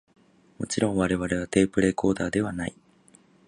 もちろん我々はテープレコーダーではない